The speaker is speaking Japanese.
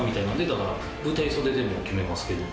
だから舞台袖で決めますけど。